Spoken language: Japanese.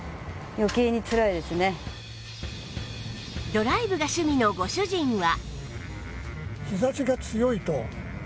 ドライブが趣味のご主人は